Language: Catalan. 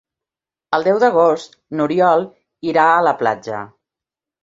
El deu d'agost n'Oriol irà a la platja.